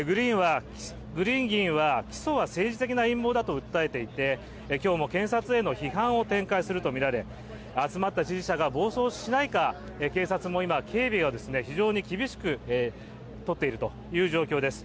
グリーン議員は起訴は政治的な陰謀だと訴えていて今日も検察への批判を展開するとみられ集まった支持者が暴走しないか今、警察も警備を非常に厳しくとっているという状況です。